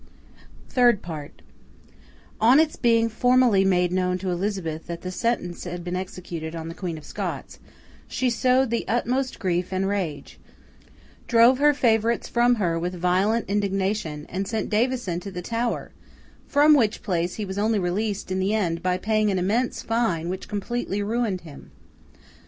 THIRD PART On its being formally made known to Elizabeth that the sentence had been executed on the Queen of Scots, she showed the utmost grief and rage, drove her favourites from her with violent indignation, and sent Davison to the Tower; from which place he was only released in the end by paying an immense fine which completely ruined him.